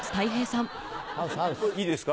いいですか？